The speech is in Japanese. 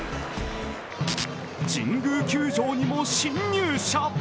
神宮球場にも侵入者！